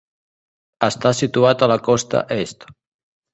Està situat a la costa est.